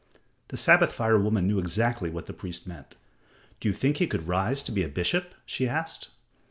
The Sabbath fire woman knew exactly what the priest meant. "Do you think he could rise to be a bishop?" she asked.